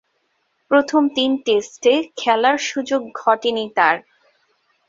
প্রথম তিন টেস্টে খেলার সুযোগ ঘটেনি তার।